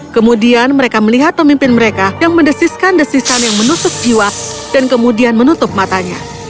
kemudian mereka melihat pemimpin mereka yang mendesiskan desisan yang menusuk jiwa dan kemudian menutup matanya